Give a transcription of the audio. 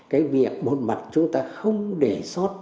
cái việc một mặt chúng ta không để sót